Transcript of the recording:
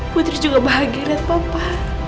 putri juga bahagia lihat papa